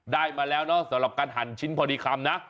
ได้มาแล้วเนอะสำหรับการหั่นชิ้นพอดีคำนะ